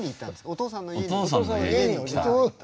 お父さんの家に来た。